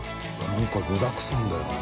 何か具だくさんだよな。